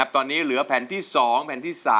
ตอนนี้เหลือแผ่นที่๒แผ่นที่๓